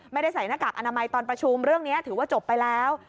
ไม่ได้ใส่หน้ากากอนามัยตอนประชุมเรื่องนี้ถือว่าจบไปแล้ว